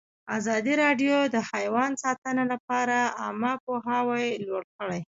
ازادي راډیو د حیوان ساتنه لپاره عامه پوهاوي لوړ کړی.